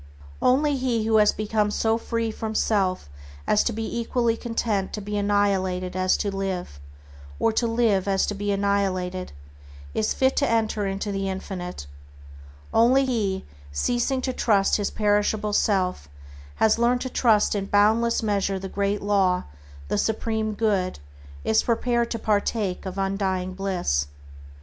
Only he who has become so free from self as to be equally content to be annihilated as to live, or to live as to be annihilated, is fit to enter into the Infinite. Only he who, ceasing to trust his perishable self, has learned to trust in boundless measure the Great Law, the Supreme Good, is prepared to partake of undying bliss.